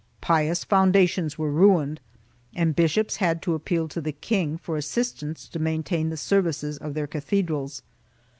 Pious foundations were ruined and bishops had to appeal to the king for assistance to maintain the services of their cathedrals.